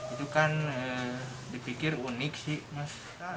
itu kan dipikir unik sih mas